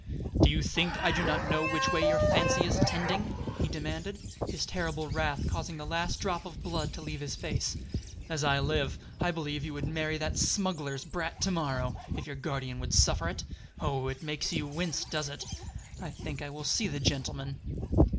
"Do you think I do not know which way your fancy is tending?" he demanded, his terrible wrath causing the last drop of blood to leave his face. "As I live, I believe you would marry that smuggler's brat to morrow, if your guardian would suffer it! Oh it makes you wince, does it? I think I will see the gentleman."